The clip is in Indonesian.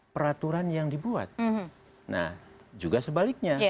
peraturan yang dibuat nah juga sebaliknya